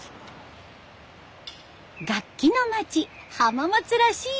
楽器の町・浜松らしい